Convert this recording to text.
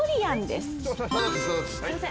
すいません。